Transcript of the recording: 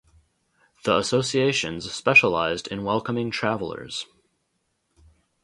The associations specialised in welcoming travellers.